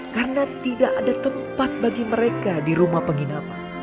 karena tidak ada tempat bagi mereka di rumah penginapan